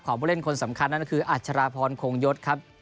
ผู้เล่นคนสำคัญนั่นก็คืออัชราพรโคงยศครับ